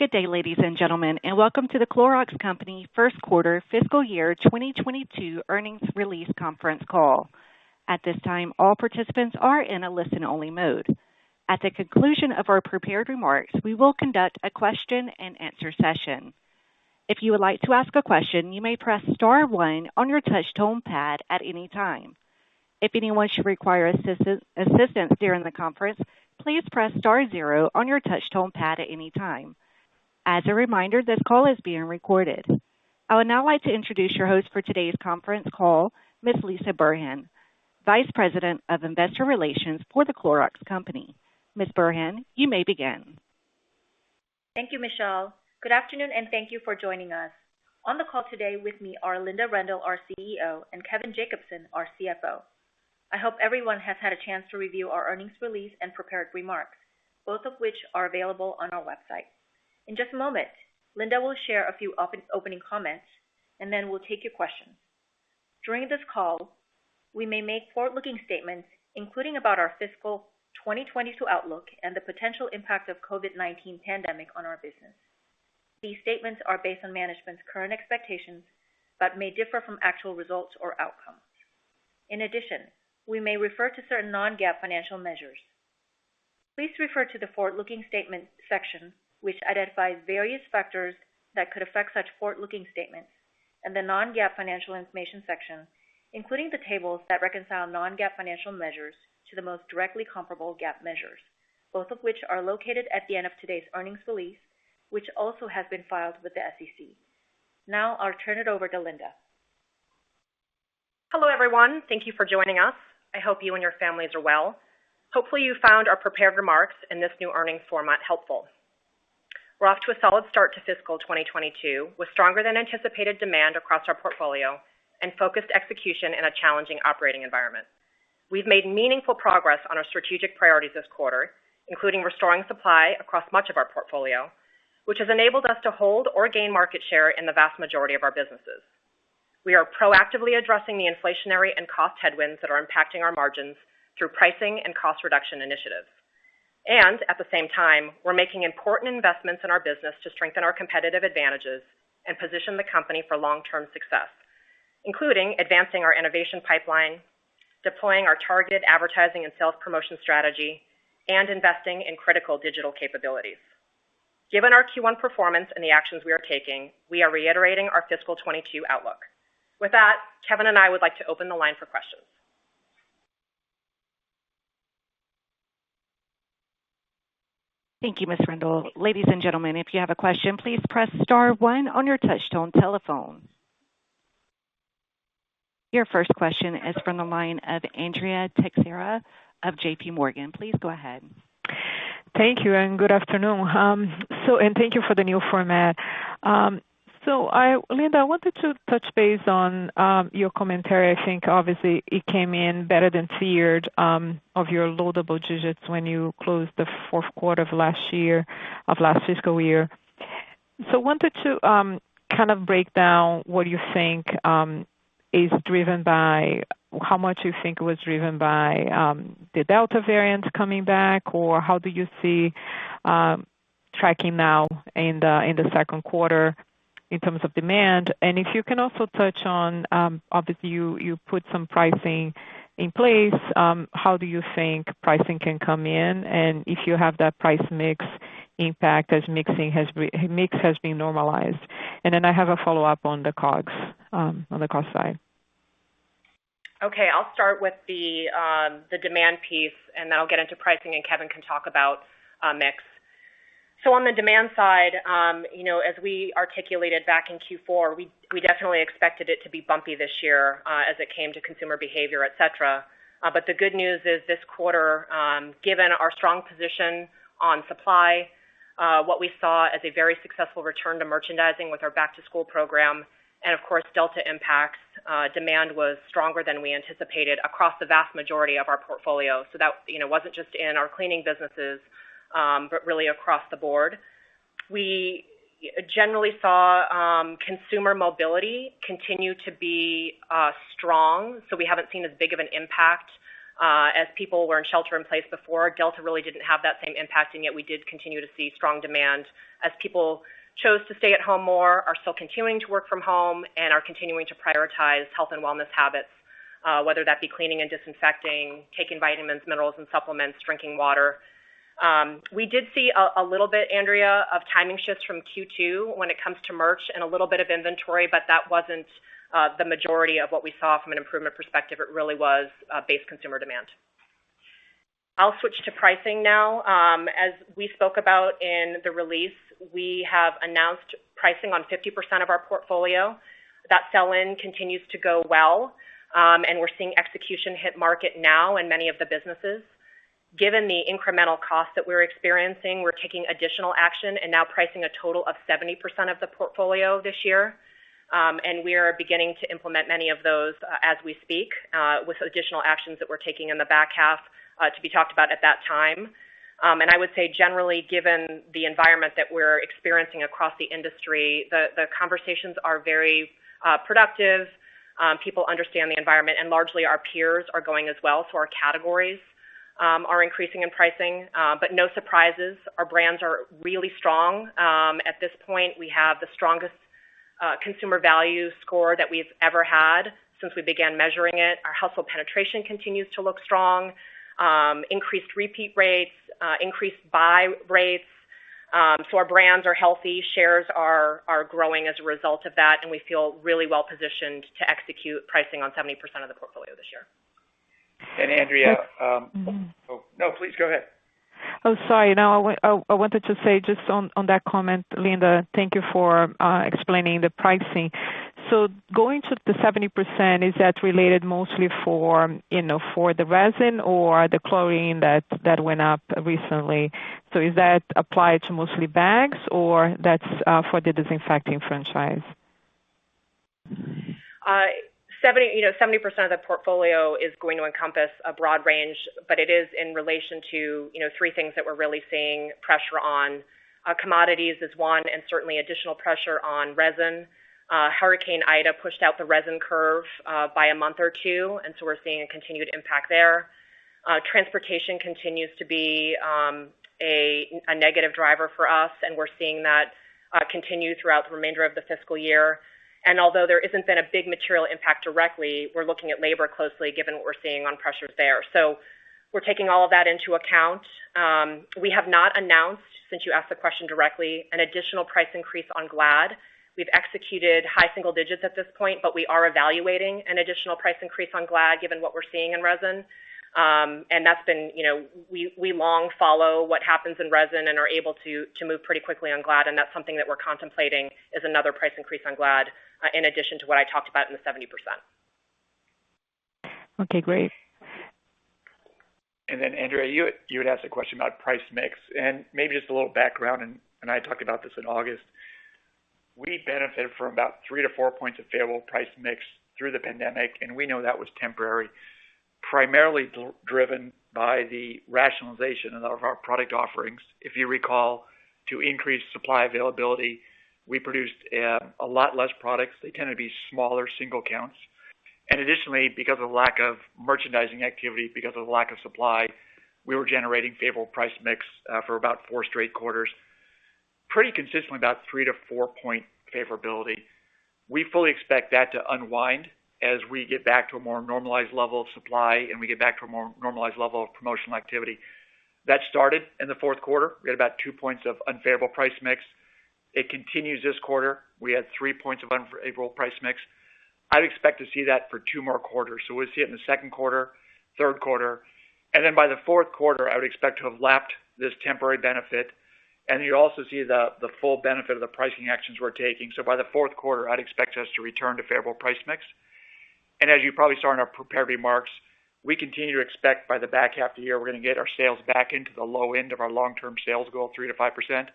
Good day ladies and gentlemen, and welcome to The Clorox Company First Quarter Fiscal Year 2022 Earnings Release Conference Call. At this time, all participants are in a listen-only mode. At the conclusion of our prepared remarks, we will conduct a question-and-answer session. If you would like to ask a question, you may press star one on your touchtone pad at any time. If anyone should require assistance during the conference, please press star zero on your touchtone pad at any time. As a reminder, this call is being recorded. I would now like to introduce your host for today's conference call Ms. Lisah Burhan, Vice President of Investor Relations for The Clorox Company. Ms. Burhan, you may begin. Thank you Michelle, good afternoon, and thank you for joining us. On the call today with me are Linda Rendle our CEO, and Kevin Jacobsen our CFO. I hope everyone has had a chance to review our earnings release and prepared remarks, both of which are available on our website. In just a moment, Linda will share a few opening comments, and then we'll take your questions. During this call, we may make forward-looking statements, including about our fiscal 2022 outlook and the potential impact of COVID-19 pandemic on our business. These statements are based on management's current expectations but may differ from actual results or outcomes. In addition, we may refer to certain non-GAAP financial measures. Please refer to the Forward-Looking Statements section, which identifies various factors that could affect such forward-looking statements, and the Non-GAAP Financial Information section. Including the tables that reconcile non-GAAP financial measures to the most directly comparable GAAP measures. Both of which are located at the end of today's earnings release, which also has been filed with the SEC. Now, I'll turn it over to Linda. Hello everyone, thank you for joining us, I hope you and your families are well. Hopefully, you found our prepared remarks in this new earnings format helpful. We're off to a solid start to fiscal 2022, with stronger than anticipated demand across our portfolio and focused execution in a challenging operating environment. We've made meaningful progress on our strategic priorities this quarter. Including restoring supply across much of our portfolio, which has enabled us to hold or gain market share in the vast majority of our businesses. We are proactively addressing the inflationary, and cost headwinds that are impacting our margins through pricing, and cost reduction initiatives. At the same time, we're making important investments in our business to strengthen our competitive advantages and position the company for long-term success. Including advancing our innovation pipeline, deploying our targeted advertising, and sales promotion strategy, and investing in critical digital capabilities. Given our Q1 performance and the actions we are taking, we are reiterating our fiscal 2022 outlook. With that, Kevin and I would like to open the line for questions. Thank you Ms. Rendle, ladies and gentlemen if you have a question, please press star one on your touchtone telephone. Your first question is from the line of Andrea Teixeira of JPMorgan, please go ahead. Thank you and good afternoon, thank you for the new format. Linda, I wanted to touch base on your commentary. I think obviously it came in better than feared of your low double digits. When you closed the fourth quarter of last year, of last fiscal year. Wanted to kind of break down what you think is driven by how much you think was driven by the Delta variant coming back, or how do you see tracking now in the second quarter in terms of demand. If you can also touch on obviously, you put some pricing in place, how do you think pricing can come in, and if you have that price mix impact as mix has been normalized? I have a follow-up on the COGS, on the cost side. Okay, I'll start with the demand piece, and then I'll get into pricing, and Kevin can talk about mix. On the demand side, you know, as we articulated back in Q4, we definitely expected it to be bumpy this year, as it came to consumer behavior, et cetera. The good news is this quarter, given our strong position on supply. What we saw as a very successful return to merchandising with our back-to-school program, and of course, Delta impacts, demand was stronger than we anticipated across the vast majority of our portfolio. That, you know, wasn't just in our cleaning businesses, but really across the board. We generally saw consumer mobility continue to be strong. So, we haven't seen as big of an impact as people were in Shelter-in-Place before. Delta really didn't have that same impact, and yet we did continue to see strong demand as people chose to stay at home more. Are still continuing to work from home and are continuing to prioritize health and wellness habits. Whether that be cleaning and disinfecting, taking vitamins, minerals and supplements, drinking water. We did see a little bit, Andrea of timing shifts from Q2 when it comes to merch and a little bit of inventory, but that wasn't the majority of what we saw from an improvement perspective. It really was base consumer demand. I'll switch to pricing now. As we spoke about in the release, we have announced pricing on 50% of our portfolio. That sell-in continues to go well, and we're seeing execution hit market now in many of the businesses. Given the incremental costs that we're experiencing, we're taking additional action and now pricing a total of 70% of the portfolio this year. We are beginning to implement many of those, as we speak, with additional actions that we're taking in the back half, to be talked about at that time. I would say, generally, given the environment that we're experiencing across the industry, the conversations are very productive. People understand the environment, and largely our peers are going as well. Our categories are increasing in pricing, but no surprises. Our brands are really strong. At this point, we have the strongest Consumer Value Score that we've ever had since we began measuring it. Our household penetration continues to look strong. Increased repeat rates, increased buy rates. Our brands are healthy. Shares are growing as a result of that, and we feel really well positioned to execute pricing on 70% of the portfolio this year. Andrea oh, no, please go ahead. Oh sorry, no, I wanted to say just on that comment, Linda, thank you for explaining the pricing. Going to the 70%, is that related mostly for, you know, for the resin or the chlorine that went up recently? Is that applied to mostly bags or that's for the disinfecting franchise? 70%, you know, 70% of the portfolio is going to encompass a broad range, but it is in relation to, you know, three things that we're really seeing pressure on. Commodities is one, and certainly additional pressure on resin. Hurricane Ida pushed out the resin curve by a month or two, and so we're seeing a continued impact there. Transportation continues to be a negative driver for us, and we're seeing that continue throughout the remainder of the fiscal year. Although there hasn't been a big material impact directly, we're looking at labor closely given what we're seeing on pressures there. We're taking all of that into account. We have not announced, since you asked the question directly, an additional price increase on Glad. We've executed high single digits at this point, but we are evaluating an additional price increase on Glad given what we're seeing in resin. That's been, you know, we long follow what happens in resin and are able to move pretty quickly on Glad, and that's something that we're contemplating is another price increase on Glad in addition to what I talked about in the 70%. Okay great. Andrea, you had asked a question about price mix. Maybe just a little background, and I talked about this in August. We benefited from about 3 basis points-4 basis points of favorable price mix through the pandemic. And we know that was temporary, primarily driven by the rationalization of our product offerings. If you recall, to increase supply availability, we produced a lot less products. They tend to be smaller single counts. Additionally, because of the lack of merchandising activity, because of the lack of supply, we were generating favorable price mix for about four straight quarters, pretty consistently about 3 basis points-4 basis points favorability. We fully expect that to unwind as we get back to a more normalized level of supply, and we get back to a more normalized level of promotional activity. That started in the fourth quarter. We had about 2 basis points of unfavorable price mix. It continues this quarter. We had 3 basis points of unfavorable price mix. I'd expect to see that for two more quarters. We'll see it in the second quarter, third quarter. By the fourth quarter, I would expect to have lapped this temporary benefit. You also see the full benefit of the pricing actions we're taking. By the fourth quarter, I'd expect us to return to favorable price mix. As you probably saw in our prepared remarks, we continue to expect by the back half of the year, we're gonna get our sales back into the low end of our long-term sales goal, 3%-5%.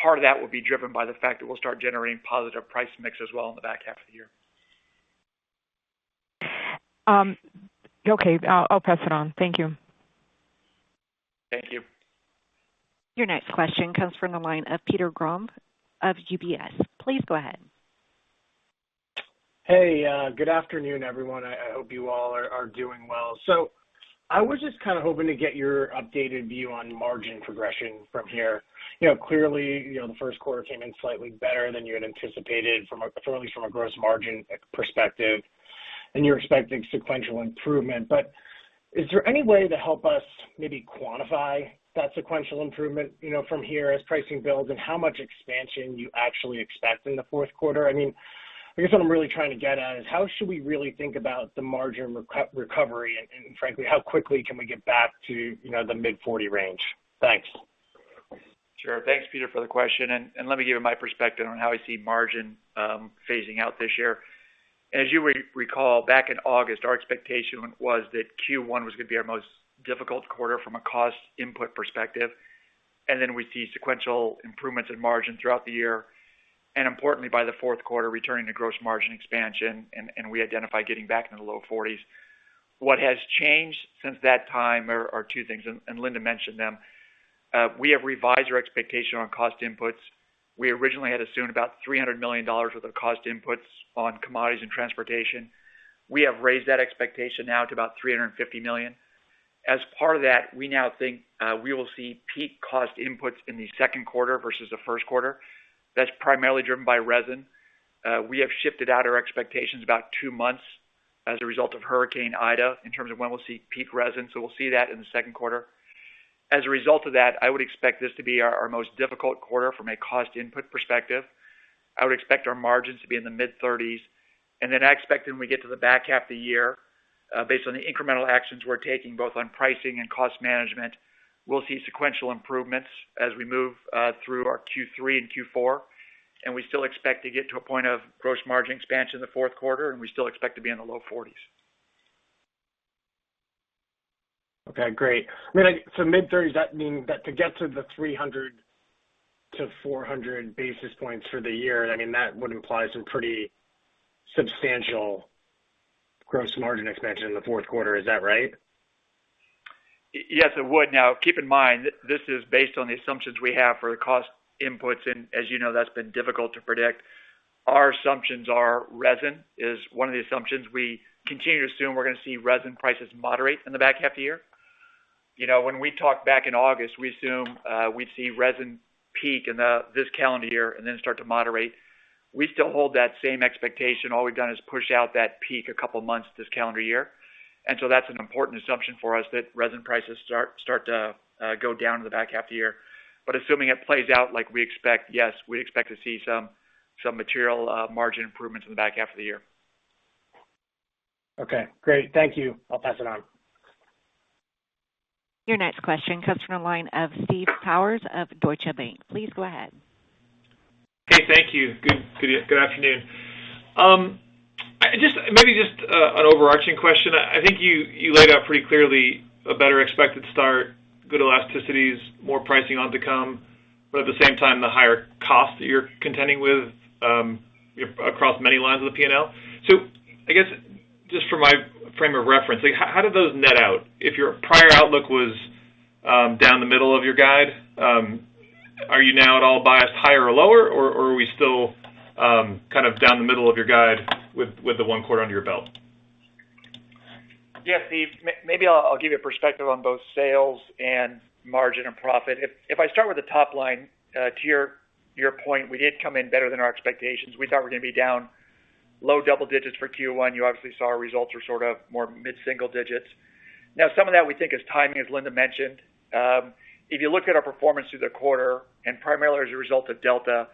Part of that will be driven by the fact that we'll start generating positive price mix as well in the back half of the year. Okay, I'll pass it on thank you. Thank you. Your next question comes from the line of Peter Grom of UBS. Please go ahead. Hey, good afternoon, everyone, I hope you all are doing well. I was just kind of hoping to get your updated view on margin progression from here. You know, clearly, you know, the first quarter came in slightly better than you had anticipated. From a certainly from a gross margin perspective, and you're expecting sequential improvement. Is there any way to help us maybe quantify that sequential improvement, you know, from here as pricing builds and how much expansion you actually expect in the fourth quarter? I mean, I guess what I'm really trying to get at is how should we really think about the margin recovery, and frankly, how quickly can we get back to, you know, the mid-40 range? Thanks. Sure, thanks Peter for the question, and let me give you my perspective on how I see margin phasing out this year. As you recall, back in August, our expectation was that Q1 was gonna be our most difficult quarter from a cost input perspective. And then we'd see sequential improvements in margin throughout the year. Importantly, by the fourth quarter, returning to gross margin expansion, and we identify getting back into the low 40%. What has changed since that time are two things, and Linda mentioned them. We have revised our expectation on cost inputs. We originally had assumed about $300 million worth of cost inputs on commodities and transportation. We have raised that expectation now to about $350 million. As part of that, we now think we will see peak cost inputs in the second quarter versus the first quarter. That's primarily driven by resin. We have shifted out our expectations about two months as a result of Hurricane Ida in terms of when we'll see peak resin, so we'll see that in the second quarter. As a result of that, I would expect this to be our most difficult quarter from a cost input perspective. I would expect our margins to be in the mid-30%. Then I expect when we get to the back half of the year, based on the incremental actions we're taking, both on pricing and cost management, we'll see sequential improvements as we move through our Q3 and Q4. We still expect to get to a point of gross margin expansion in the fourth quarter, and we still expect to be in the low 40%. Okay great, I mean like, so mid-30%, that means that to get to the 300 basis points-400 basis points for the year. I mean, that would imply some pretty substantial gross margin expansion in the fourth quarter, is that right? Yes, it would, now keep in mind this is based on the assumptions we have for the cost inputs, and as you know, that's been difficult to predict. Our assumptions are resin is one of the assumptions. We continue to assume we're gonna see resin prices moderate in the back half of the year. You know, when we talked back in August, we assumed we'd see resin peak in this calendar year and then start to moderate. We still hold that same expectation. All we've done is push out that peak a couple of months this calendar year. That's an important assumption for us that resin prices start to go down in the back half of the year. Assuming it plays out like we expect, yes, we expect to see some material margin improvements in the back half of the year. Okay, great thank you, I'll pass it on. Your next question comes from the line of Steve Powers of Deutsche Bank, please go ahead. Hey, thank you, good afternoon. Maybe just an overarching question. I think you laid out pretty clearly a better expected start, good elasticities, more pricing to come. But at the same time, the higher cost that you're contending with across many lines of the P&L. I guess just for my frame of reference, like how do those net out? If your prior outlook was down the middle of your guide, are you now at all biased higher or lower? Or are we still kind of down the middle of your guide with the one quarter under your belt? Yeah, Steve maybe I'll give you a perspective on both sales and margin and profit. If I start with the top line, to your point, we did come in better than our expectations. We thought we were going to be down low double digits for Q1. You obviously saw our results were sort of more mid-single digits. Now, some of that we think is timing, as Linda mentioned. If you look at our performance through the quarter, and primarily as a result of Delta,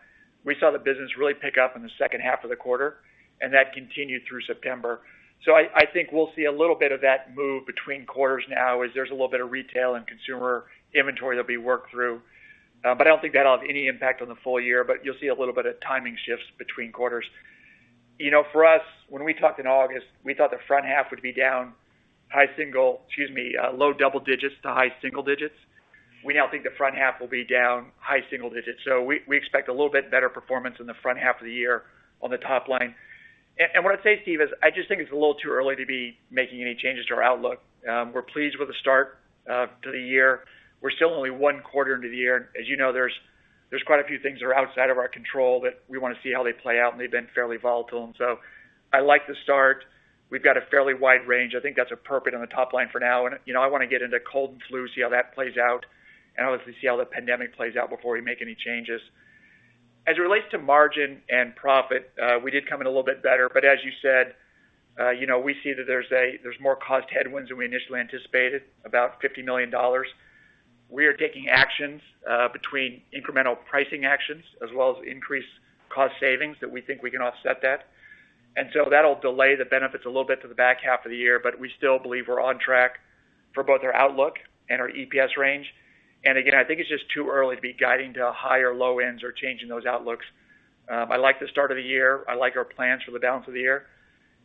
we saw the business really pick up in the second half of the quarter, and that continued through September. I think we'll see a little bit of that move between quarters now as there's a little bit of retail and consumer inventory that'll be worked through. I don't think that'll have any impact on the full year, but you'll see a little bit of timing shifts between quarters. You know, for us, when we talked in August, we thought the front half would be down low double digits to high single digits. We now think the front half will be down high single digits. We expect a little bit better performance in the front half of the year on the top line. What I'd say, Steve, is I just think it's a little too early to be making any changes to our outlook. We're pleased with the start to the year. We're still only one quarter into the year. As you know, there's quite a few things that are outside of our control that we want to see how they play out, and they've been fairly volatile. I like the start we've got a fairly wide range. I think that's appropriate on the top line for now. You know, I want to get into cold and flu, see how that plays out, and obviously see how the pandemic plays out before we make any changes. As it relates to margin and profit, we did come in a little bit better. As you said, you know, we see that there's more cost headwinds than we initially anticipated, about $50 million. We are taking actions between incremental pricing actions as well as increased cost savings that we think we can offset that. That'll delay the benefits a little bit to the back half of the year. We still believe we're on track for both our outlook and our EPS range. Again, I think it's just too early to be guiding to high or low ends or changing those outlooks. I like the start of the year. I like our plans for the balance of the year,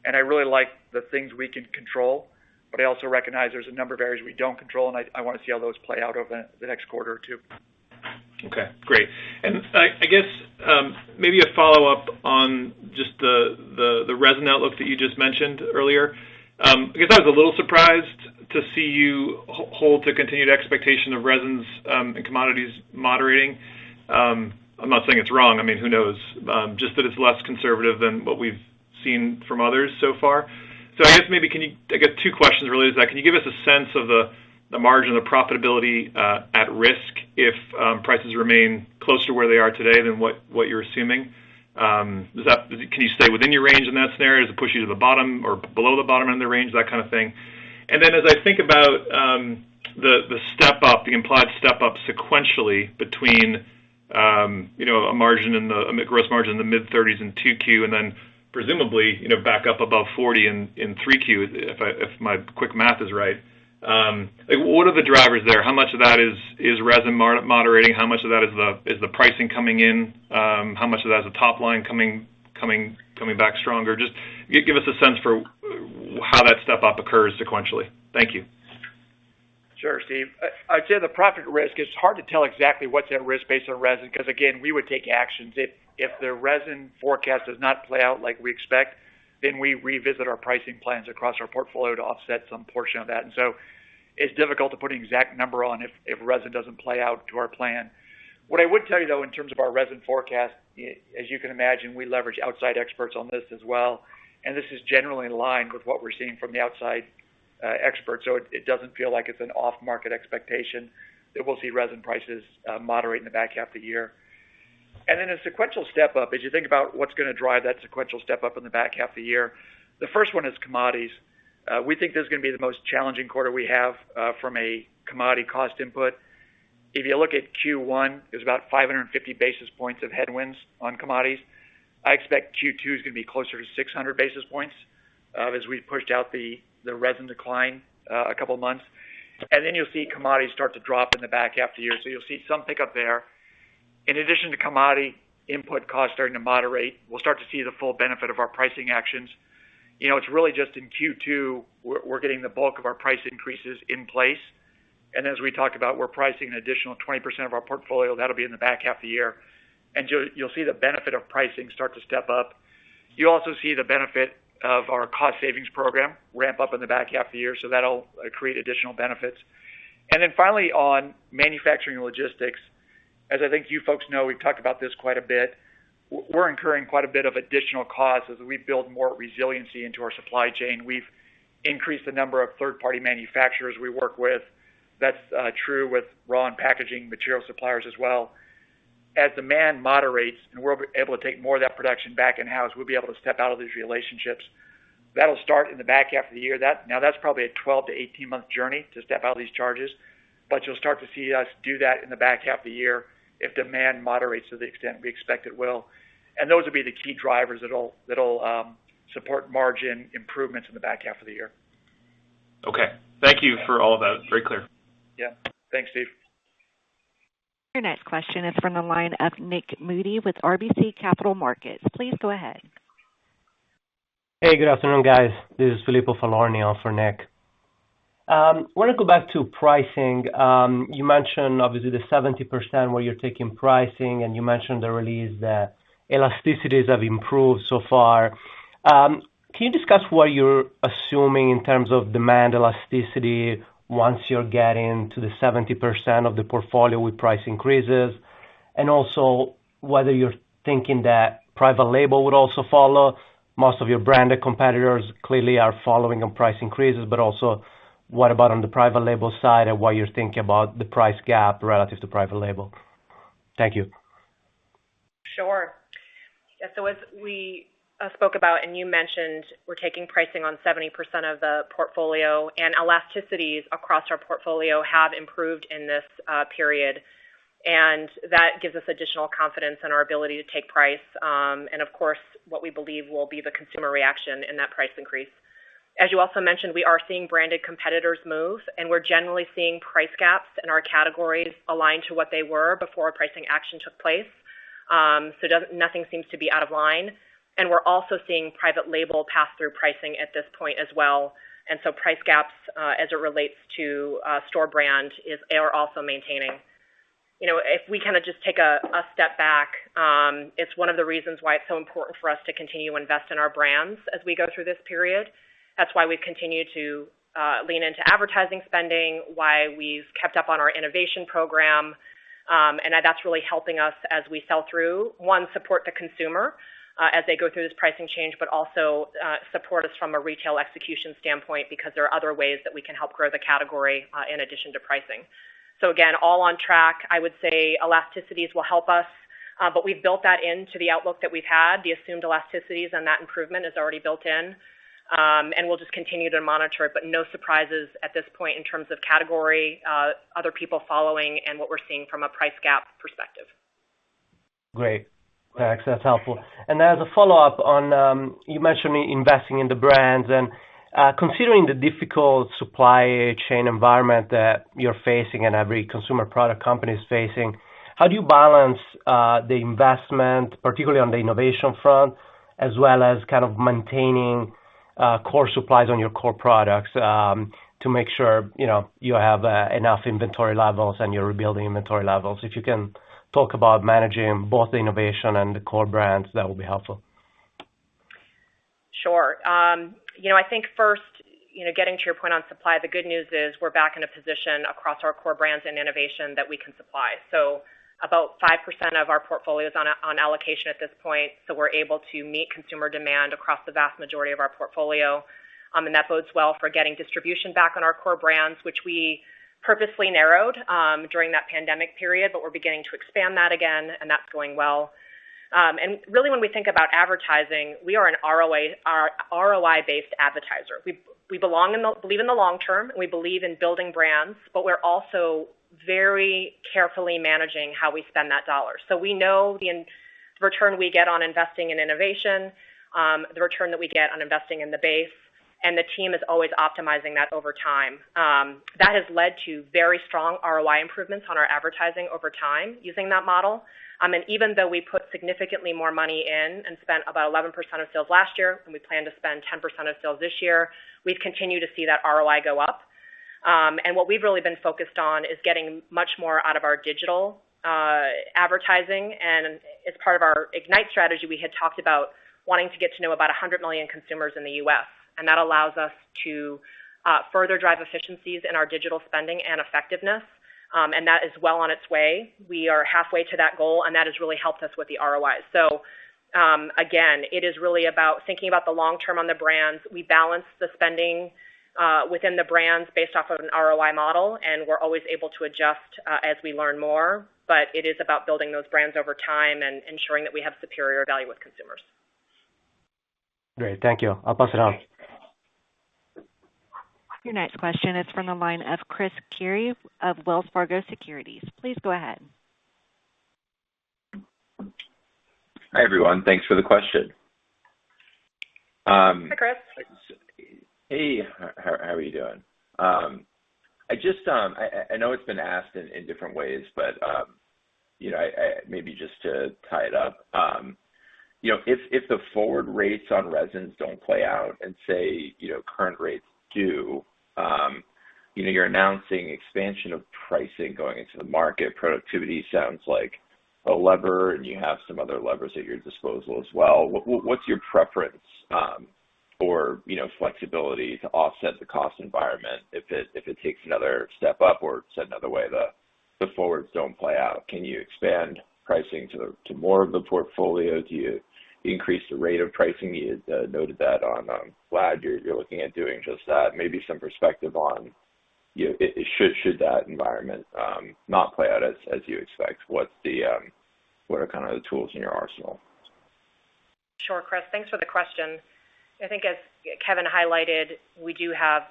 and I really like the things we can control, but I also recognize there's a number of areas we don't control, and I want to see how those play out over the next quarter or two. Okay great, I guess maybe a follow-up on just the resin outlook that you just mentioned earlier. I guess I was a little surprised to see you hold to continued expectation of resins and commodities moderating. I'm not saying it's wrong, I mean who knows? Just that it's less conservative than what we've seen from others so far. I guess maybe I got two questions really. Can you give us a sense of the margin, the profitability at risk if prices remain close to where they are today than what you're assuming? Can you stay within your range in that scenario? Does it push you to the bottom or below the bottom end of the range that kind of thing? As I think about the step-up, the implied step-up sequentially between you know a gross margin in the mid-30% in 2Q, and then presumably you know back up above 40% in 3Q, if my quick math is right. What are the drivers there? How much of that is resin moderating? How much of that is the pricing coming in? How much of that is the top line coming back stronger? Just give us a sense for how that step-up occurs sequentially, thank you. Sure Steve, I'd say the profit risk it's hard to tell exactly what's at risk based on resin, because again, we would take actions. If the resin forecast does not play out like we expect, then we revisit our pricing plans across our portfolio to offset some portion of that. It's difficult to put an exact number on if resin doesn't play out to our plan. What I would tell you, though, in terms of our resin forecast, as you can imagine, we leverage outside experts on this as well, and this is generally in line with what we're seeing from the outside experts. It doesn't feel like it's an off-market expectation that we'll see resin prices moderate in the back half of the year. A sequential step-up, as you think about what's going to drive that sequential step-up in the back half of the year, the first one is commodities. We think this is gonna be the most challenging quarter we have from a commodity cost input. If you look at Q1, there's about 550 basis points of headwinds on commodities. I expect Q2 is gonna be closer to 600 basis points as we pushed out the resin decline a couple of months. You'll see commodities start to drop in the back half of the year. You'll see some pick up there. In addition to commodity input costs starting to moderate, we'll start to see the full benefit of our pricing actions. You know, it's really just in Q2, we're getting the bulk of our price increases in place. As we talked about, we're pricing an additional 20% of our portfolio, that'll be in the back half of the year. You'll see the benefit of pricing start to step-up. You also see the benefit of our cost savings program ramp up in the back half of the year, so that'll create additional benefits. Finally, on manufacturing and logistics. As I think you folks know, we've talked about this quite a bit. We're incurring quite a bit of additional costs as we build more resiliency into our supply chain. We've increased the number of third-party manufacturers we work with. That's true with raw and packaging material suppliers as well. As demand moderates and we're able to take more of that production back in-house, we'll be able to step out of these relationships. That'll start in the back half of the year. That now that's probably a 12–18-month journey to step out of these charges. But you'll start to see us do that in the back half of the year if demand moderates to the extent we expect it will. Those will be the key drivers that'll support margin improvements in the back half of the year. Okay thank you for all that, very clear. Yeah, thanks Steve. Your next question is from the line of Nik Modi with RBC Capital Markets. Please go ahead. Hey good afternoon, guys, this is Filippo Falorni for Nik Modi. Wanna go back to pricing. You mentioned obviously the 70% where you're taking pricing, and you mentioned the release that elasticities have improved so far. Can you discuss what you're assuming in terms of demand elasticity once you're getting to the 70% of the portfolio with price increases? And also, whether you're thinking that private label would also follow. Most of your branded competitors clearly are following on price increases, but also what about on the private label side and what you're thinking about the price gap relative to private label? Thank you. Sure yeah, as we spoke about and you mentioned, we're taking pricing on 70% of the portfolio, and elasticities across our portfolio have improved in this period. That gives us additional confidence in our ability to take price, and of course, what we believe will be the consumer reaction in that price increase. As you also mentioned, we are seeing branded competitors move, and we're generally seeing price gaps in our categories aligned to what they were before pricing action took place. Nothing seems to be out of line. We're also seeing private label pass-through pricing at this point as well, and so price gaps as it relates to store brand are also maintaining. You know, if we kinda just take a step back, it's one of the reasons why it's so important for us to continue to invest in our brands as we go through this period. That's why we've continued to lean into advertising spending, why we've kept up on our innovation program. And that's really helping us as we sell through, support the consumer as they go through this pricing change. But also support us from a retail execution standpoint because there are other ways that we can help grow the category in addition to pricing. Again, all on track, I would say elasticities will help us, but we've built that into the outlook that we've had. The assumed elasticities and that improvement is already built in, and we'll just continue to monitor it. But no surprises at this point in terms of category, other people following and what we're seeing from a price gap perspective. Great thanks, that's helpful. As a follow-up on, you mentioned investing in the brands and, considering the difficult supply chain environment that you're facing and every consumer product company is facing. How do you balance, the investment, particularly on the innovation front? As well as kind of maintaining, core supplies on your core products, to make sure, you know, you have, enough inventory levels. And you're rebuilding inventory levels. If you can talk about managing both the innovation and the core brands, that would be helpful. Sure, you know, I think first you know, getting to your point on supply. The good news is we're back in a position across our core brands and innovation that we can supply. About 5% of our portfolio is on allocation at this point, so we're able to meet consumer demand across the vast majority of our portfolio. And that bodes well for getting distribution back on our core brands. Which we purposely narrowed during that pandemic period, but we're beginning to expand that again, and that's going well. And really, when we think about advertising, we are an ROI-based advertiser. We believe in the long term, and we believe in building brands, but we're also very carefully managing how we spend that dollar. We know the return we get on investing in innovation, the return that we get on investing in the base, and the team is always optimizing that over time. That has led to very strong ROI improvements on our advertising over time using that model. Even though we put significantly more money in and spent about 11% of sales last year. And we plan to spend 10% of sales this year, we've continued to see that ROI go up. What we've really been focused on is getting much more out of our digital advertising. As part of our IGNITE strategy, we had talked about wanting to get to know about 100 million consumers in the U.S., and that allows us to further drive efficiencies in our digital spending and effectiveness. That is well on its way. We are halfway to that goal, and that has really helped us with the ROI. Again, it is really about thinking about the long term on the brands. We balance the spending within the brands based off of an ROI model, and we're always able to adjust as we learn more. It is about building those brands over time and ensuring that we have superior value with consumers. Great thank you, I'll pass it on. Your next question is from the line of Chris Carey of Wells Fargo Securities. Please go ahead. Hi everyone, thanks for the question. Hi, Chris. Hey, how are you doing? I know it's been asked in different ways, but you know, maybe just to tie it up. You know, if the forward rates on resins don't play out and say current rates do. You know, you're announcing expansion of pricing going into the market productivity sounds like a lever, and you have some other levers at your disposal as well. What's your preference for you know, flexibility to offset the cost environment if it takes another step up or said another way, the forwards don't play out. Can you expand pricing to more of the portfolio? Do you increase the rate of pricing? You noted that on Glad you're looking at doing just that. Maybe some perspective on you. Should that environment not play out as you expect. What are kind of the tools in your arsenal? Sure Chris, thanks for the question. I think as Kevin highlighted, we do have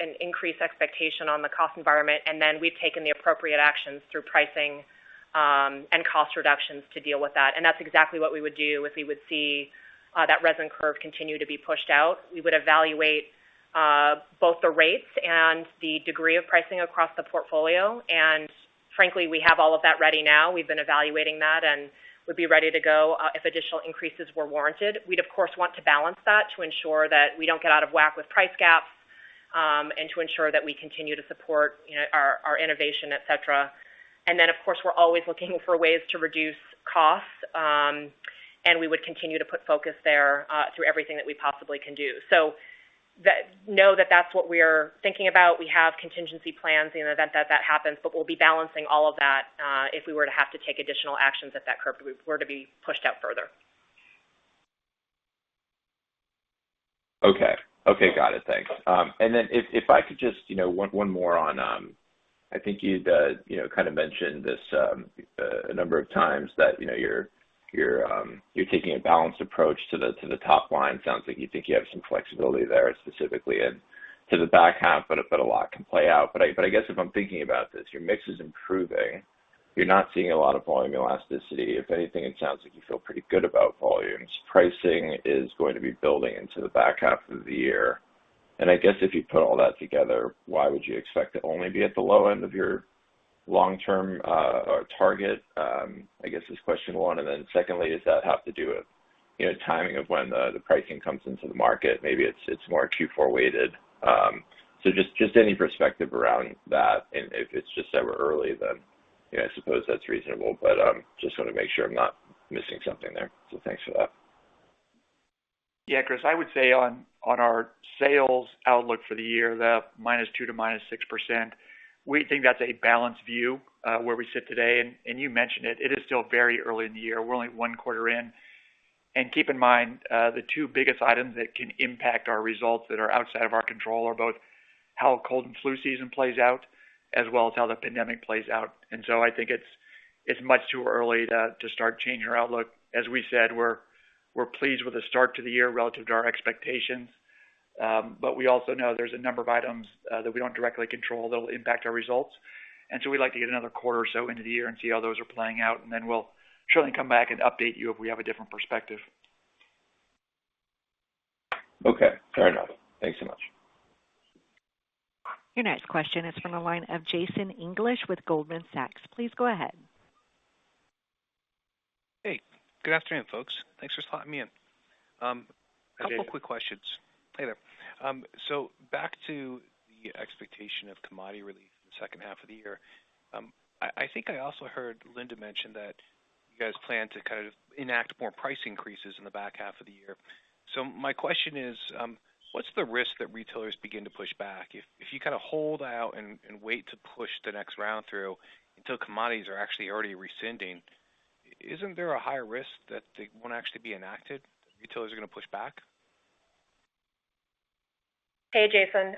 an increased expectation on the cost environment, and then we've taken the appropriate actions through pricing, and cost reductions to deal with that. That's exactly what we would do if we would see that resin curve continues to be pushed out. We would evaluate both the rates, and the degree of pricing across the portfolio. Frankly, we have all of that ready now. We've been evaluating that, and we'd be ready to go if additional increases were warranted. We'd of course want to balance that to ensure that we don't get out of whack with price gaps, and to ensure that we continue to support, you know, our innovation, et cetera. Of course, we're always looking for ways to reduce costs, and we would continue to put focus there, through everything that we possibly can do. You know that that's what we're thinking about. We have contingency plans in an event that happens, but we'll be balancing all of that. If we were to have to take additional actions if that curve were to be pushed out further. Okay got it, thanks. If I could just, you know, one more on. I think you'd, you know, kind of mentioned this a number of times that. You know, you're taking a balanced approach to the top line. Sounds like you think you have some flexibility there specifically into the back half, but a lot can play out. I guess if I'm thinking about this, your mix is improving. You're not seeing a lot of volume elasticity. If anything, it sounds like you feel pretty good about volumes. Pricing is going to be building into the back half of the year. I guess if you put all that together, why would you expect to only be at the low end of your long-term target? I guess this is question one. Secondly, does that have to do with, you know, timing of when the pricing comes into the market? Maybe it's more Q4 weighted. Just any perspective around that and if it's just ever early, then, you know, I suppose that's reasonable, but just wanna make sure I'm not missing something there. Thanks for that. Yeah Chris, I would say on our sales outlook for the year, the -2% to -6%. We think that's a balanced view where we sit today. You mentioned it is still very early in the year. We're only one quarter in. Keep in mind, the two biggest items that can impact our results that are outside of our control are both how cold and flu season plays out, as well as how the pandemic plays out. I think it's much too early to start changing our outlook. As we said, we're pleased with the start to the year relative to our expectations. But we also know there's a number of items that we don't directly control that'll impact our results. We'd like to get another quarter or so into the year and see how those are playing out, and then we'll surely come back and update you if we have a different perspective. Okay fair enough, thanks so much. Your next question is from the line of Jason English with Goldman Sachs. Please go ahead. Hey good afternoon, folks. Thanks for slotting me in. Hey, Jason. A couple of quick questions. Hey there, back to the expectation of commodity relief in the second half of the year. I think I also heard Linda mention that you guys' plan to kind of enact more price increases in the back half of the year. My question is, what's the risk that retailers begin to push back. If you kind of hold out and wait to push the next round through until commodities are actually already rescinding? Isn't there a higher risk that they won't actually be enacted? Retailers are gonna push back? Hey Jason,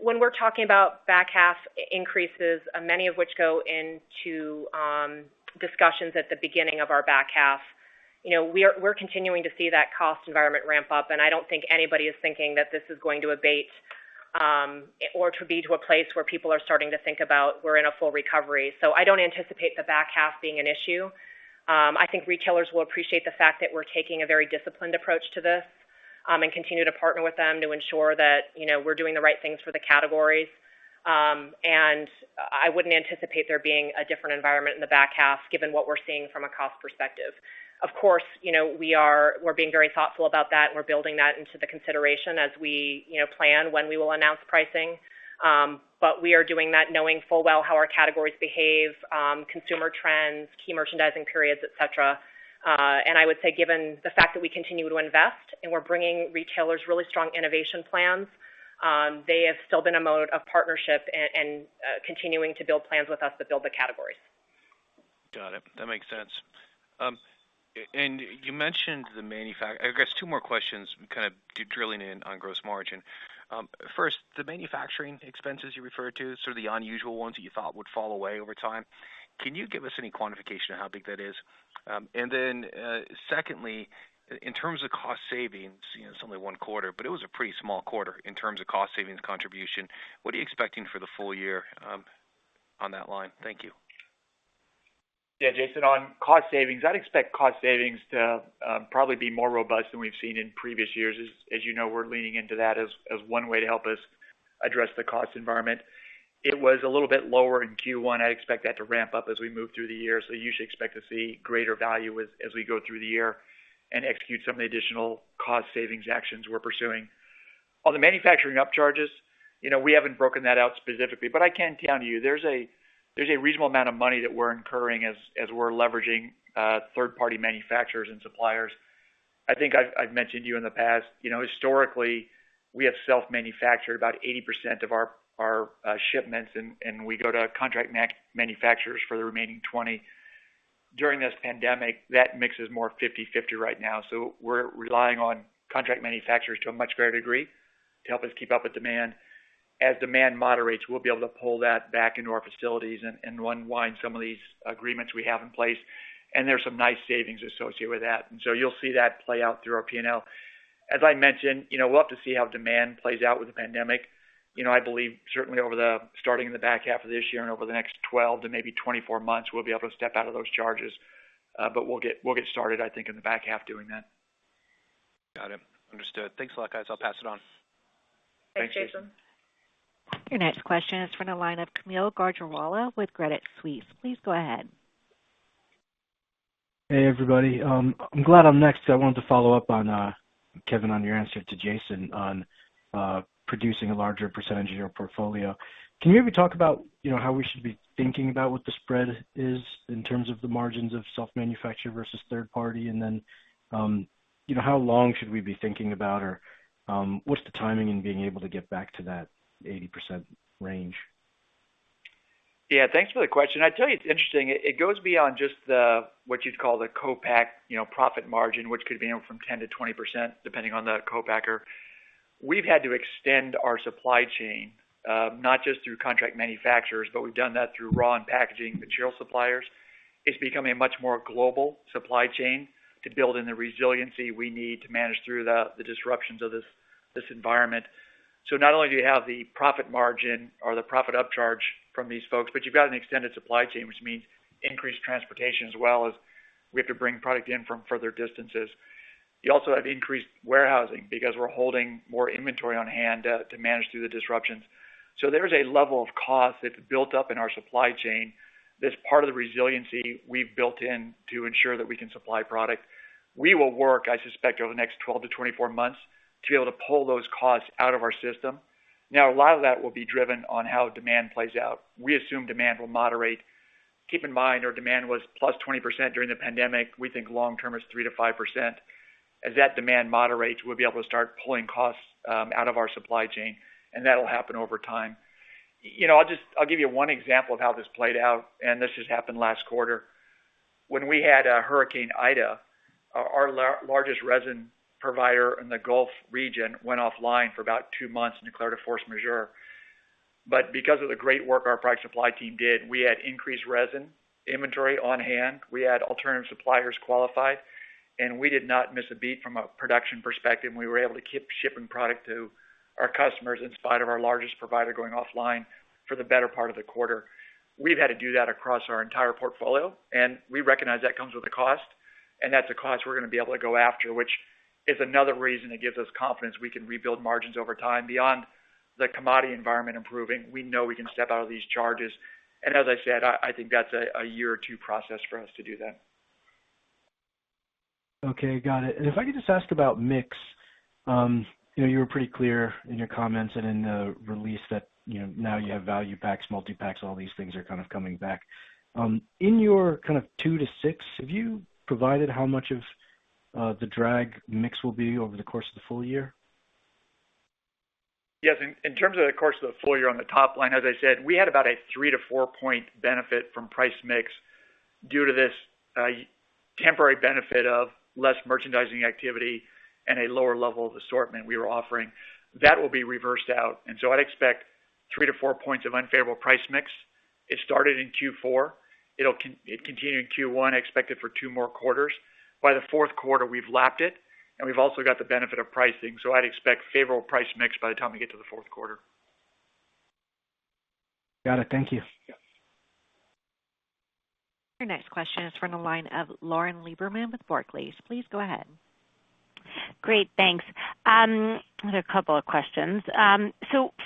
when we're talking about back half increases, many of which go into discussions at the beginning of our back half. You know, we're continuing to see that cost environment ramps up, and I don't think anybody is thinking that this is going to abate, or to get to a place where people are starting to think about that we're in a full recovery. I don't anticipate the back half being an issue. I think retailers will appreciate the fact that we're taking a very disciplined approach to this and continue to partner with them to ensure that. You know, we're doing the right things for the categories. I wouldn't anticipate there being a different environment in the back half, given what we're seeing from a cost perspective. Of course you know, we're being very thoughtful about that, and we're building that into the consideration as we, you know, plan when we will announce pricing. We are doing that knowing full well how our categories behave, consumer trends, key merchandising periods, et cetera. I would say given the fact that we continue to invest and we're bringing retailers really strong innovation plans. They have still been in a mode of partnership and continuing to build plans with us that build the categories. Got it, that makes sense. I guess two more questions kind of drilling down on gross margin. First, the manufacturing expenses you referred to, sort of the unusual ones that you thought would fall away over time. Can you give us any quantification of how big that is? Secondly, in terms of cost savings, you know, it's only one quarter, but it was a pretty small quarter in terms of cost savings contribution. What are you expecting for the full year on that line? Thank you. Yeah Jason, on cost savings I'd expect cost savings to probably be more robust than we've seen in previous years. As you know, we're leaning into that as one way to help us address the cost environment. It was a little bit lower in Q1. I expect that to ramp up as we move through the year. You should expect to see greater value as we go through the year and execute some of the additional cost-savings actions we're pursuing. On the manufacturing up charges, you know, we haven't broken that out specifically, but I can tell you there's a reasonable amount of money that we're incurring as we're leveraging third-party manufacturers and suppliers. I think I've mentioned to you in the past, you know, historically, we have self-manufactured about 80% of our shipments, and we go to contract manufacturers for the remaining 20. During this pandemic, that mix is more 50/50 right now, so we're relying on contract manufacturers to a much greater degree to help us keep up with demand. As demand moderates, we'll be able to pull that back into our facilities and unwind some of these agreements we have in place, and there's some nice savings associated with that. You'll see that play out through our P&L. As I mentioned, you know, we'll have to see how demand plays out with the pandemic. You know, I believe certainly starting in the back half of this year and over the next 12 to maybe 24 months. We'll be able to step out of those charges. We'll get started, I think in the back half doing that. Got it understood, thanks a lot, guys. I'll pass it on. Thanks. Thanks, Jason. Your next question is from the line of Kaumil Gajrawala with Credit Suisse. Please go ahead. Hey everybody, I'm glad I'm next. So, I wanted to follow up on, Kevin, on your answer to Jason on, producing a larger percentage of your portfolio. Can you maybe talk about, you know, how we should be thinking about what the spread is in terms of the margins of self-manufacture versus third party? And then, you know, how long should we be thinking about or, what's the timing in being able to get back to that 80% range? Yeah, thanks for the question. I tell you, it's interesting, it goes beyond just the. What you'd call the co-pack, you know, profit margin, which could be, you know, from 10%-20%, depending on the co-packer. We've had to extend our supply chain, not just through contract manufacturers, but we've done that through raw and packaging material suppliers. It's becoming a much more global supply chain to build in the resiliency we need to manage through the disruptions of this environment. So not only do you have the profit margin or the profit upcharge from these folks, but you've got an extended supply chain, which means increased transportation. As well as we have to bring product in from further distances. You also have increased warehousing because we're holding more inventory on hand to manage through the disruptions. There's a level of cost that's built up in our supply chain that's part of the resiliency we've built in to ensure that we can supply product. We will work, I suspect, over the next 12-24 months to be able to pull those costs out of our system. Now, a lot of that will be driven on how demand plays out. We assume demand will moderate. Keep in mind, our demand was +20% during the pandemic. We think long term is 3%-5%. As that demand moderates, we'll be able to start pulling costs out of our supply chain, and that'll happen over time. You know, I'll give you one example of how this played out, and this just happened last quarter. When we had Hurricane Ida, our largest resin provider in the Gulf region went offline for about two months and declared a force majeure. Because of the great work our product supply team did, we had increased resin inventory on hand. We had alternative suppliers qualified, and we did not miss a beat from a production perspective, and we were able to keep shipping product to our customers in spite of our largest provider going offline for the better part of the quarter. We've had to do that across our entire portfolio, and we recognize that comes with a cost. And that's a cost we're gonna be able to go after, which is another reason that gives us confidence we can rebuild margins over time. Beyond the commodity environment improving, we know we can step out of these charges. As I said, I think that's a year or two process for us to do that. Okay got it, if I could just ask about mix. You know, you were pretty clear in your comments and in the release that, you know, now you have value packs, multi-packs, all these things are kind of coming back. In your kind of 2%-6%, have you provided how much of the drag mix will be over the course of the full year? Yes, in terms of the course of the full year on the top line, as I said, we had about a 3 basis points-4 basis points benefit from price mix. Due to this temporary benefit of less merchandising activity and a lower level of assortment we were offering. That will be reversed out, and so I'd expect 3 basis points-4 basis points of unfavorable price mix. It started in Q4. It continued in Q1. I expect it for two more quarters. By the fourth quarter, we've lapped it, and we've also got the benefit of pricing. I'd expect favorable price mix by the time we get to the fourth quarter. Got it, thank you. Yeah. Your next question is from the line of Lauren Lieberman with Barclays. Please go ahead. Great thanks, I have a couple of questions.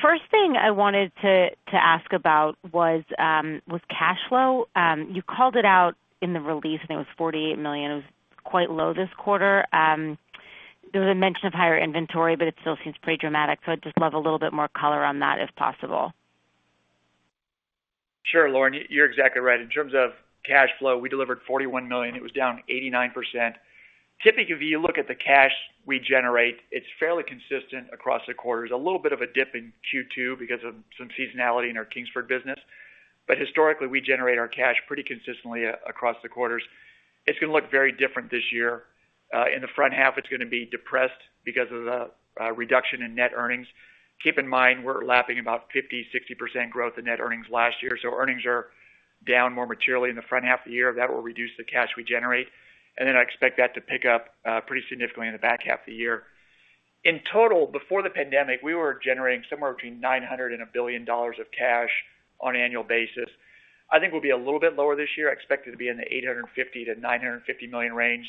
First thing I wanted to ask about was cash flow. You called it out in the release. I think it was $48 million. It was quite low this quarter. There was a mention of higher inventory, but it still seems pretty dramatic, so I'd just love a little bit more color on that if possible. Sure Lauren, you're exactly right. In terms of cash flow, we delivered $41 million, it was down 89%. Typically, if you look at the cash we generate, it's fairly consistent across the quarters. A little bit of a dip in Q2 because of some seasonality in our Kingsford business. Historically, we generate our cash pretty consistently across the quarters. It's gonna look very different this year. In the front half, it's gonna be depressed because of the reduction in net earnings. Keep in mind, we're lapping about 50%-60% growth in net earnings last year. Earnings are down more materially in the front half of the year. That will reduce the cash we generate. Then I expect that to pick up pretty significantly in the back half of the year. In total, before the pandemic, we were generating somewhere between $900 million and $1 billion of cash on an annual basis. I think we'll be a little bit lower this year. I expect it to be in the $850 million-$950 million range,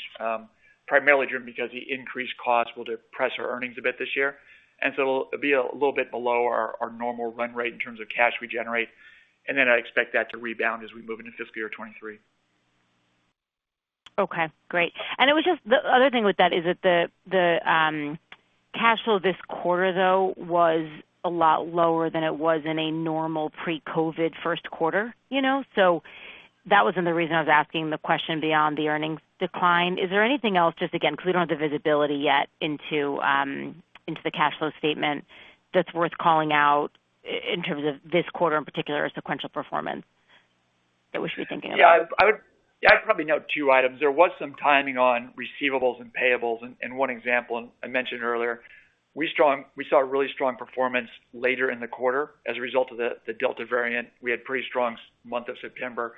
primarily driven because the increased costs will depress our earnings a bit this year. It'll be a little bit below our normal run rate in terms of cash we generate. I expect that to rebound as we move into fiscal year 2023. Okay great, it was just the other thing with that is that the cash flow this quarter. Though, was a lot lower than it was in a normal pre-COVID first quarter, you know? That wasn't the reason I was asking the question beyond the earnings decline. Is there anything else, just again, because we don't have the visibility yet into the cash flow statement that's worth calling out in terms of this quarter in particular or sequential performance that we should be thinking about? Yeah, I'd probably note two items. There was some timing on receivables and payables. One example I mentioned earlier, we saw a really strong performance later in the quarter as a result of the Delta variant. We had a pretty strong month of September.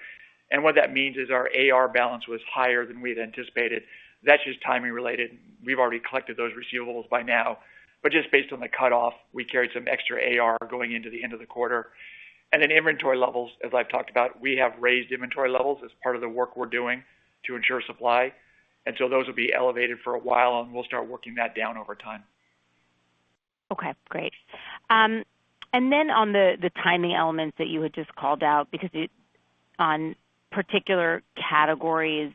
What that means is our AR balance was higher than we had anticipated. That's just timing related. We've already collected those receivables by now. Just based on the cut-off, we carried some extra AR going into the end of the quarter. Then inventory levels, as I've talked about, we have raised inventory levels as part of the work we're doing to ensure supply. And so those will be elevated for a while, and we'll start working that down over time. Okay great, on the timing elements that you had just called out, because on particular categories,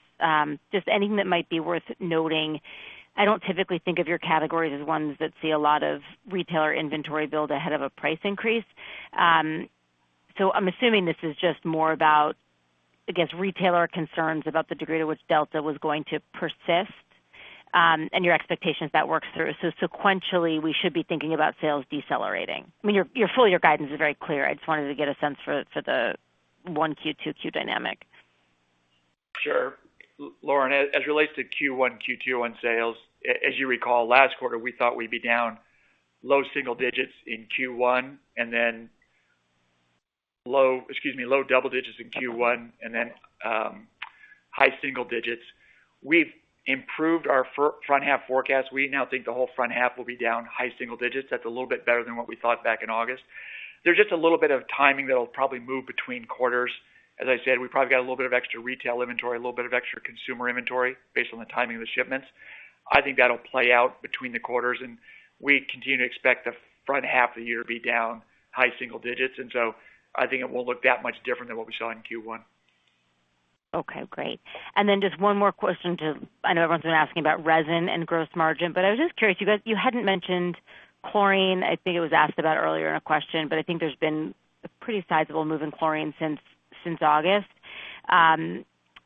just anything that might be worth noting. I don't typically think of your categories as ones that see a lot of retailer inventory build ahead of a price increase. I'm assuming this is just more about, I guess, retailer concerns about the degree to which Delta was going to persist, and your expectations that works through. Sequentially, we should be thinking about sales decelerating. I mean, your full-year guidance is very clear. I just wanted to get a sense for the one Q2 dynamic. Sure Lauren, as it relates to Q1, Q2 on sales, as you recall, last quarter, we thought we'd be down, low double digits in Q1 and then high single digits. We've improved our front half forecast. We now think the whole front half will be down high single digits. That's a little bit better than what we thought back in August. There's just a little bit of timing that'll probably move between quarters. As I said, we probably got a little bit of extra retail inventory, a little bit of extra consumer inventory based on the timing of the shipments. I think that'll play out between the quarters, and we continue to expect the front half of the year to be down high single digits, and so I think it won't look that much different than what we saw in Q1. Okay great, just one more question to. I know everyone's been asking about resin and gross margin, but I was just curious, you guys, you hadn't mentioned chlorine. I think it was asked about earlier in a question, but I think there's been a pretty sizable move in chlorine since August.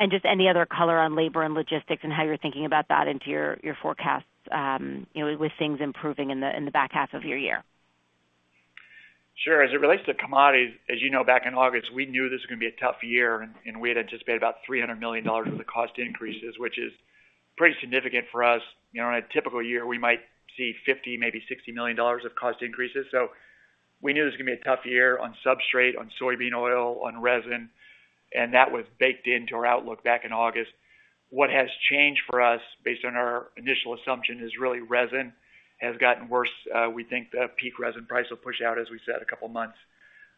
Just any other color on labor and logistics and how you're thinking about that into your forecasts, with things improving in the back half of your year. Sure, as it relates to commodities as you know, back in August. We knew this was gonna be a tough year, and we had anticipated about $300 million of the cost increases. Which is pretty significant for us. You know, in a typical year, we might see $50 million, maybe $60 million of cost increases. We knew this was gonna be a tough year on substrate, on soybean oil, on resin, and that was baked into our outlook back in August. What has changed for us based on our initial assumption is really resin has gotten worse. We think the peak resin price will push out, as we said, a couple of months.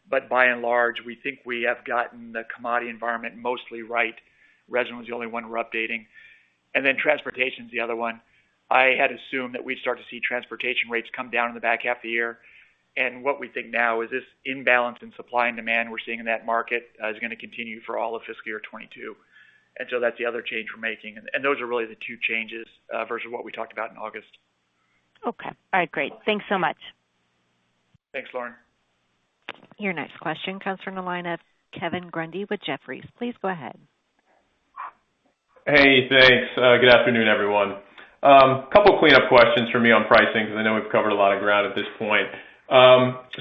By and large, we think we have gotten the commodity environment mostly right. Resin was the only one we're updating. Then transportation is the other one. I had assumed that we'd start to see transportation rates come down in the back half of the year. What we think now is this imbalance in supply and demand we're seeing in that market is gonna continue for all of fiscal year 2022. That's the other change we're making. Those are really the two changes versus what we talked about in August. Okay all right, great. Thanks so much. Thanks, Lauren. Your next question comes from the line of Kevin Grundy with Jefferies. Please go ahead. Hey, thanks good afternoon, everyone. Couple clean up questions for me on pricing, because I know we've covered a lot of ground at this point.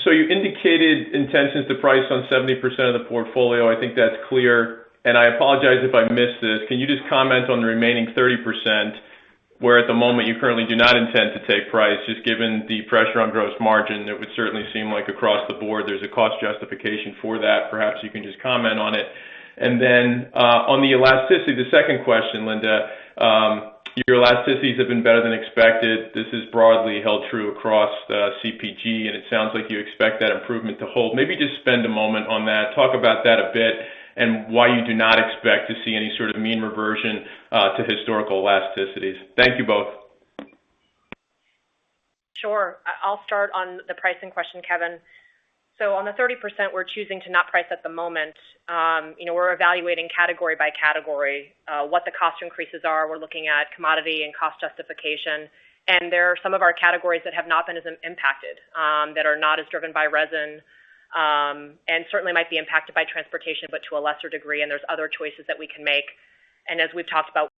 So, you indicated intentions to price on 70% of the portfolio. I think that's clear, and I apologize if I missed this. Can you just comment on the remaining 30%. Where at the moment you currently do not intend to take price, just given the pressure on gross margin? It would certainly seem like across the board there's a cost justification for that. Perhaps you can just comment on it. On the elasticity, the second question, Linda, your elasticities have been better than expected. This is broadly held true across the CPG, and it sounds like you expect that improvement to hold. Maybe just spend a moment on that, talk about that a bit and why you do not expect to see any sort of mean reversion to historical elasticities. Thank you both. Sure, I'll start on the pricing question, Kevin. On the 30% we're choosing to not price at the moment, you know, we're evaluating category by category, what the cost increases are. We're looking at commodity and cost justification. There are some of our categories that have not been as impacted, that are not as driven by resin, and certainly might be impacted by transportation, but to a lesser degree, and there's other choices that we can make. As we've talked about.